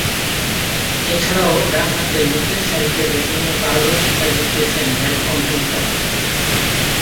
এছাড়াও ডানহাতে নিচেরসারিতে ব্যাটিংয়ে পারদর্শিতা দেখিয়েছেন ম্যালকম হিল্টন।